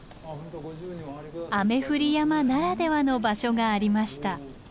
雨降り山ならではの場所がありました。